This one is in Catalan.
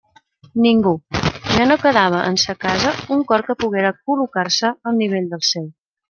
Ningú; ja no quedava en sa casa un cor que poguera col·locar-se al nivell del seu.